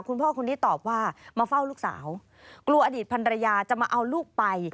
คุณพ่อคนนี้ตอบว่ามาเฝ้าลูกสาวกลัวอดีตพันรยาจะมาเอาลูกไป